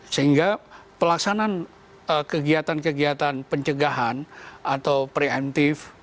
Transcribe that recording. sehingga pelaksanaan kegiatan kegiatan pencegahan atau preemptif